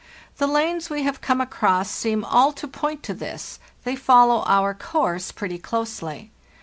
The lanes we have come across seem all to point to this; they follow our course pretty closely.